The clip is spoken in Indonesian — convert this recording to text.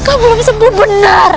kamu belum sembuh benar